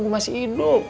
gua masih hidup